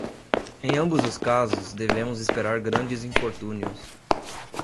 Em ambos os casos, devemos esperar grandes infortúnios.